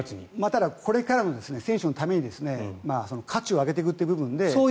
ただこれからの選手のために価値を上げていくという部分で。